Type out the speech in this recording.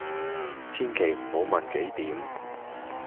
千祈唔好問幾點